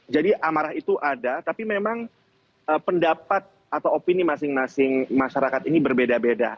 jadi amarah itu ada tapi memang pendapat atau opini masing masing masyarakat ini berbeda beda